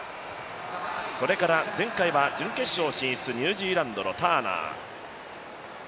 それから前回は準決勝進出、ニュージーランドのターナー。